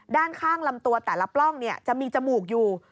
ด้านข้างลำตัวแต่ละปล้องจะมีจมูกอยู่